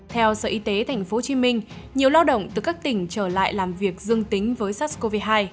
theo sở y tế tp hcm nhiều lao động từ các tỉnh trở lại làm việc dương tính với sars cov hai